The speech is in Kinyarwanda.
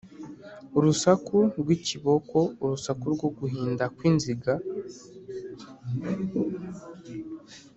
Urusaku rw’ikiboko urusaku rwo guhinda kw’inziga